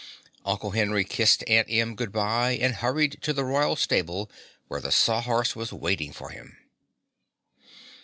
Uncle Henry kissed Aunt Em good bye and hurried to the Royal Stable where the Sawhorse was waiting for him.